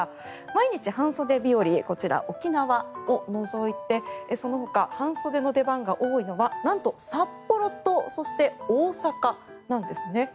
毎日、半袖日和こちら、沖縄を除いてそのほか半袖の出番が多いのはなんと、札幌とそして大阪なんですね。